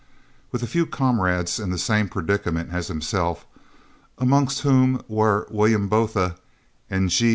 With a few comrades in the same predicament as himself, amongst whom were Willem Botha and G.